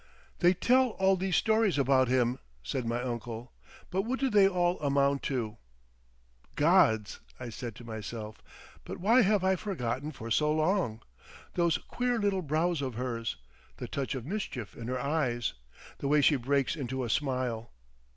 "They tell all these stories about him," said my uncle, "but what do they all amount to?" "Gods!" I said to myself; "but why have I forgotten for so long? Those queer little brows of hers, the touch of mischief in her eyes—the way she breaks into a smile!"